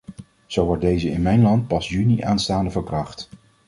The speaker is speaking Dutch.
Zo wordt deze in mijn land pas juni aanstaande van kracht.